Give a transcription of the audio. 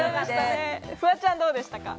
フワちゃん、どうでしたか？